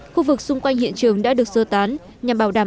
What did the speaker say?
khu vực xung quanh hiện trường đã được sơ tán nhằm bảo đảm